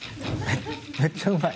めっちゃうまい。